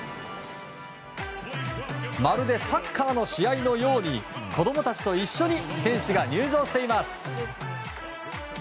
まるでサッカーの試合のように子供たちと一緒に選手が入場しています。